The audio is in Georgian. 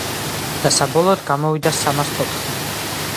და საბოლოოდ გამოვიდა სამას თოთხმეტი.